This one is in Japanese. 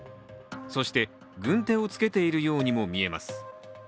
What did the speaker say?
そして軍手を着けているようにも見えます。